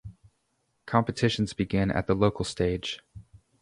Competitions begin at the local stage.